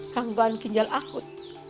gangguan ginjal akut